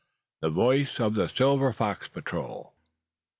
THE VOICE OF THE SILVER FOX PATROL.